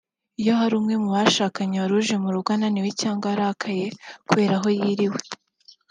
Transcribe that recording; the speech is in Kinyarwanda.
Iyo hari umwe mu bashakanye wari uje mu rugo ananiwe cyangwa arakaye kubera aho yiriwe